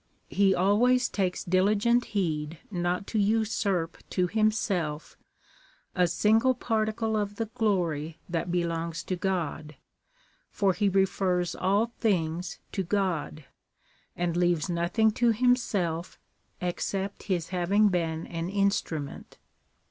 He always takes diligent heed not to usurp to himself a single particle of the glory that belongs to God, for he refers all things to God, and leaves nothing to himself, except his having been an instrument.